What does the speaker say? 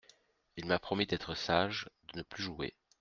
Il m'a promis d'être sage, de ne plus jouer.